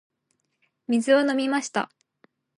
水を飲みました。